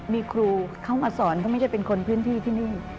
มีครูเขามาสอนเขาไม่ใช่เป็นคนพื้นที่ที่นี่